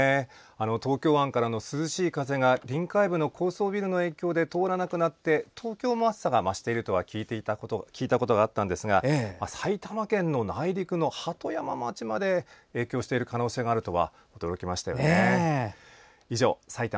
東京湾からの涼しい風が臨海部の高層ビルの影響で通らなくなって東京も暑さが増しているとは聞いたことはあったんですが埼玉県の内陸の鳩山町まで影響している可能性があるとは驚きました。